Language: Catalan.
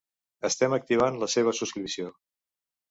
Estem activant la seva subscripció.